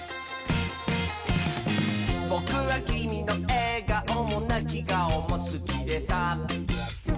「ぼくはきみのえがおもなきがおもすきでさ」